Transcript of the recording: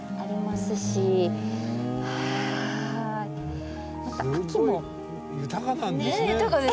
すごい豊かなんですね。